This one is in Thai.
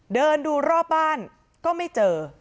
เดินดูรอบบ้านก็ไม่เจอ